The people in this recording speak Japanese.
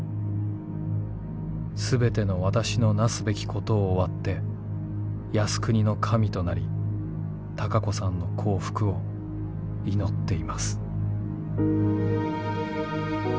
全ての私のなすべきことを終わって靖国の神となり孝子さんの幸福を祈っています」。